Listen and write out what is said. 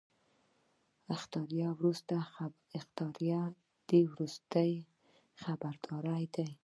اخطار د وروستي خبرداری دی